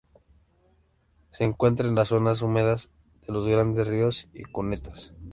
Se encuentra en las zonas húmedas de los grandes ríos y cunetas.